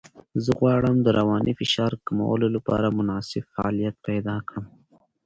زه غواړم د رواني فشار کمولو لپاره مناسب فعالیت پیدا کړم.